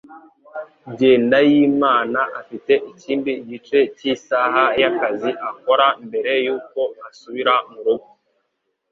Jyendayimana afite ikindi gice cyisaha yakazi akora mbere yuko asubira murugo.